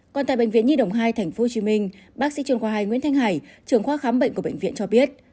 còn tại bệnh viện nhi đồng hai tp hcm bác sĩ chuyên khoa hai nguyễn thanh hải trường khoa khám bệnh của bệnh viện cho biết